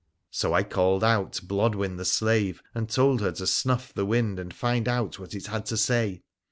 So I called out Blodwen the slave, and told her to snuff the wind and find what it had to say.